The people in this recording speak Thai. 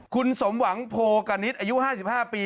คุณสมหวังโพกณิตอายุ๕๕ปี